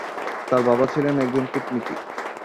তার বাবা ছিলেন একজন কূটনীতিক।